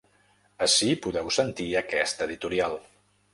Ací podeu sentir aquest editorial.